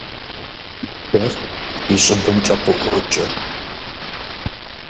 Бжэр и щӏыбымкӏэ къыӏуокӏыр.